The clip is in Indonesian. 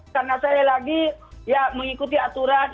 karena saya lagi ya mengikuti aturan